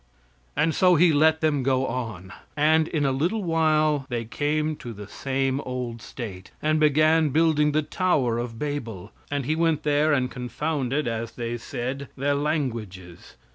And so He let them go on, and in a little while they came to the same old state; and began building the Tower of Babel; and he went there and confounded, as they said, their languages.